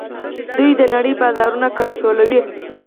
دوی د نړۍ بازارونه کنټرولوي.